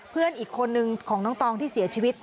เพื่อนอีกคนนึงของน้องตองที่เสียชีวิต